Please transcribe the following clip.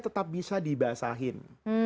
tetap bisa dibasahin